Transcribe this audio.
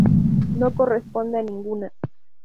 No corresponde a ninguna